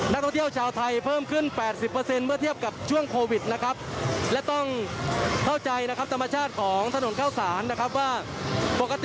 นักท่อเที่ยวชาวไทยเพิ่มขึ้น๘๐เมื่อเทียบกับช่วงโปรวิดนะครับ